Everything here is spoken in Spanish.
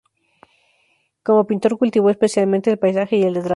Como pintor cultivó especialmente el paisaje y el retrato.